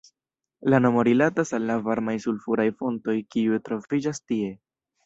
La nomo rilatas al la varmaj sulfuraj fontoj, kiuj troviĝas tie.